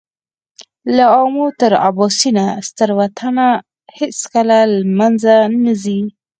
له آمو تر اباسینه ستر وطن هېڅکله له مېنځه نه ځي.